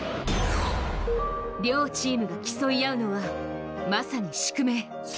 両チームが競い合うのはまさに宿命。